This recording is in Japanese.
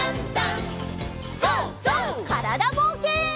からだぼうけん。